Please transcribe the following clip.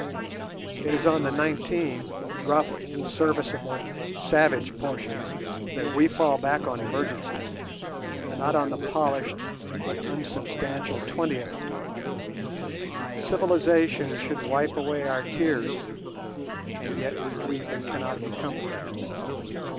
It is on the nineteen rough serviceable savage portions that we fall back in emergencies, not on the polished but unsubstantial twentieth. Civilization should wipe away our tears, and yet we weep and cannot be comforted.